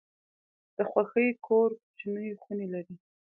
د خوښۍ کور کوچني خونې لري.